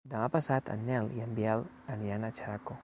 Demà passat en Nel i en Biel aniran a Xeraco.